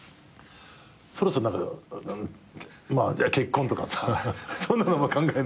そろそろ何か結婚とかさそんなのは考えないの？